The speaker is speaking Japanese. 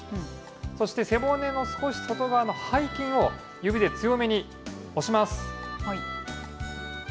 そして背骨の少し外側の背筋を指で強めに押します。